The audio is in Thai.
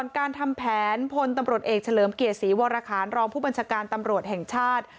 การทำแผนพลตำรวจเอกเฉลิมเกียรติศรีวรคารรองผู้บัญชาการตำรวจแห่งชาติ